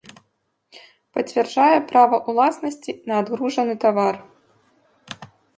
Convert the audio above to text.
Пацвярджае права ўласнасці на адгружаны тавар.